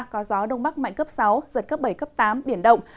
có gió đông bắc mạnh cấp sáu giật cấp bảy cấp tám biển động